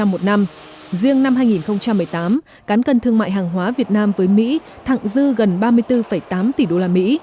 một năm riêng năm hai nghìn một mươi tám cán cân thương mại hàng hóa việt nam với mỹ thẳng dư gần ba mươi bốn tám tỷ usd